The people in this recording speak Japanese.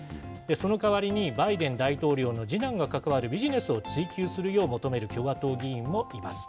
そのかわりに、バイデン大統領の次男が関わるビジネスを追及するよう求める議員もいます。